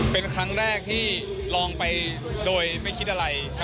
เป็นครั้งแรกที่ลองไปโดยไม่คิดอะไร